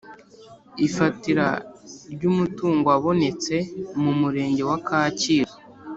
Ifatira ry’ umutungo wabonetse mu murenge wa kacyiru